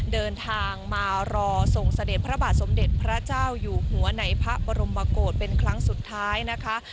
เดินทางมารอส่งเสด็จพระบาทสมเด็จพระเจ้าอยู่หัวในพระบรมโกศเป็นครั้งสุดท้ายนะคะ